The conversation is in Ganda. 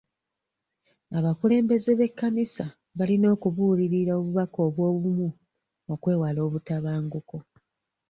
Abakulembeze b'ekkanisa balina okubuulirira obubaka bw'obumu okwewala obutabanguko.